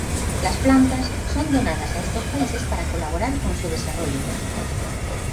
Las plantas son donada a estos países para colaborar con su desarrollo.